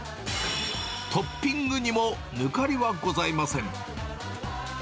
トッピングにもぬかりはございません。